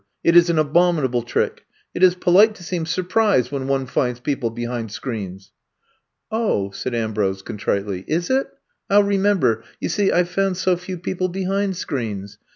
It is an abominable trick. It is polite to seem surprised when one finds people behind screens !'' '*0h," said Ambrose contritely, *4s itf I '11 remember. You see, I 've found so few people behind screens.